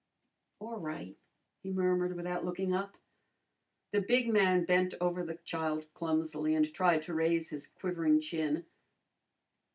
"A' right," he murmured without looking up. The big man bent over the child clumsily and tried to raise his quivering chin.